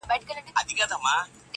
سل زنځیره مي شلولي دي ازاد یم,